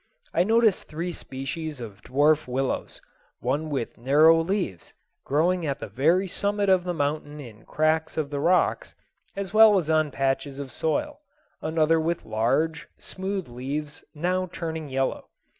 I noticed three species of dwarf willows, one with narrow leaves, growing at the very summit of the mountain in cracks of the rocks, as well as on patches of soil, another with large, smooth leaves now turning yellow.